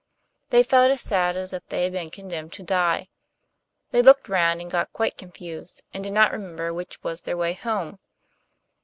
They felt as sad as if they had been condemned to die; they looked round and got quite confused, and did not remember which was their way home.